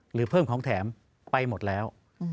หรือเพิ่มของแถมไปหมดแล้ว